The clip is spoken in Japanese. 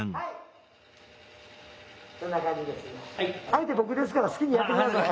相手僕ですから好きにやって下さい。